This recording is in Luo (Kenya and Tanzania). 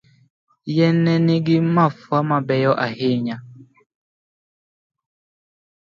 Yien no nigi mafua mabeyo ahinya.